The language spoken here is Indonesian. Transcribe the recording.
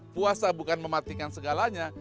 puasa bukan mematikan segalanya